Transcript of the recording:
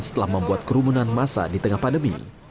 setelah membuat kerumunan masa di tengah pandemi